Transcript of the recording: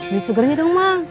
beli sugernya dong mang